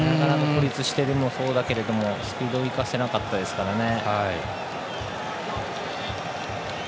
孤立しているのもそうだしスピードを生かせなかったですからね。